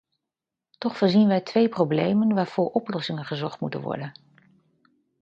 Toch voorzien wij twee problemen waarvoor oplossingen gezocht moeten worden.